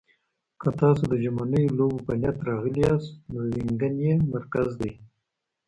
که تاسو د ژمنیو لوبو په نیت راغلي یاست، نو وینګن یې مرکز دی.